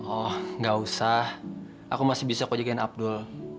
oh gak usah aku masih bisa kok jagain abdul